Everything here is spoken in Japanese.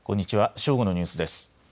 正午のニュースです。